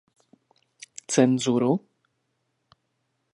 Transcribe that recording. Cenzuru?